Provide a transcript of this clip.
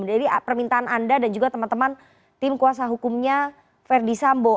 dari permintaan anda dan juga teman teman tim kuasa hukumnya verdi sambo